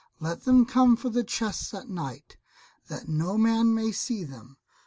Let them come for the chests at night, that no man may see them.